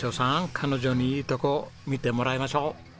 彼女にいいとこ見てもらいましょう。